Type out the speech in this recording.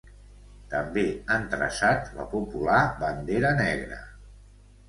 També han traçat la popular bandera negra.